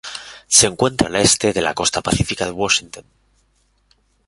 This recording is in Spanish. Se encuentra al este de la costa pacífica de Washington.